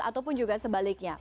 ataupun juga sebaliknya